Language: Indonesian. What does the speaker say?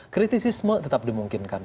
kritisisme tetap dimungkinkan